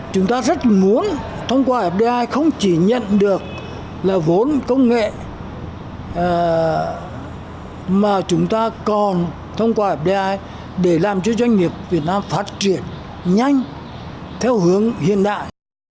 chúng ta rất muốn thông qua fdi không chỉ nhận được là vốn công nghệ mà chúng ta còn thông qua fdi để làm cho doanh nghiệp việt nam phát triển nhanh theo hướng hiện đại